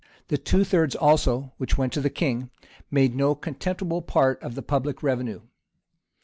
The two thirds also, which went to the king, made no contemptible part of the public revenue.